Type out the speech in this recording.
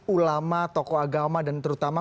ulama tokoh agama dan terutama